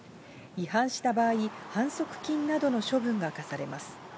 違反した場合、反則金などの処分が科されます。